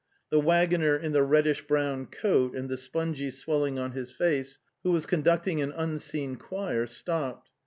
'The waggoner in the reddish brown coat and the spongy swelling on his face, who was conducting an unseen choir, stopped.